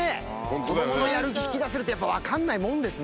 子供のやる気引き出せるって分かんないもんですね。